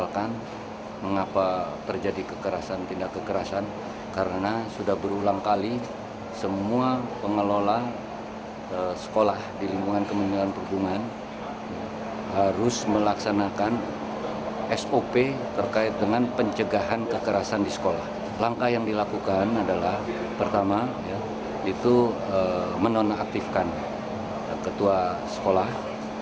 kementerian perhubungan adalah pertama itu menonaktifkan ketua sekolah